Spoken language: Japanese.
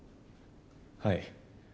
はい。